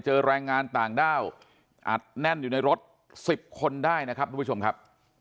แรงงานต่างด้าวอัดแน่นอยู่ในรถ๑๐คนได้นะครับทุกผู้ชมครับ